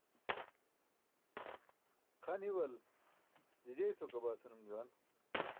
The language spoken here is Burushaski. Xa niwal "jijey sokabaa" senum juwan.